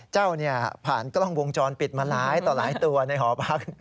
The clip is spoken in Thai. ผ่านกล้องวงจรปิดมาหลายต่อหลายตัวในหอพัก